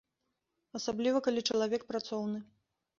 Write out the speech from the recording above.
Асабліва калі чалавек працоўны.